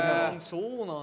そうなんだ。